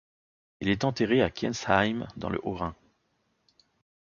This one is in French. Il est enterré à Kientzheim dans le Haut-Rhin.